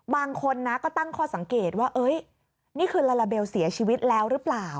บางคนนะก็ตั้งข้อสังเกตว่านี่คือลาลาเบลเสียชีวิตแล้วหรือเปล่า